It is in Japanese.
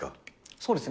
そうですね。